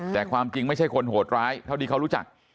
แต่ความจริงไม่ใช่คนโหดร้ายเท่าที่เขารู้จัก